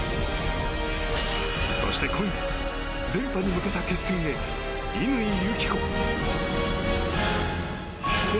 そして今夜連覇に向けた決戦へ、乾友紀子！